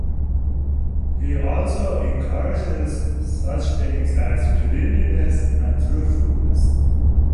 He also encourages such things as cleanliness and truthfulness.